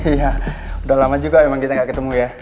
iya udah lama juga emang kita gak ketemu ya